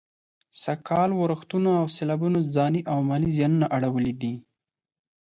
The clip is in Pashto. سږ کال ورښتونو او سېلابونو ځاني او مالي زيانونه اړولي دي.